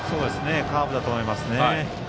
カーブだと思います。